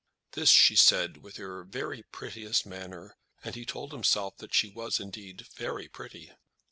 This she said with her very prettiest manner, and he told himself that she was, indeed, very pretty.